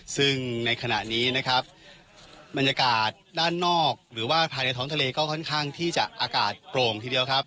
ซึ่งในขณะนี้นะครับบรรยากาศด้านนอกหรือว่าภายในท้องทะเลก็ค่อนข้างที่จะอากาศโปร่งทีเดียวครับ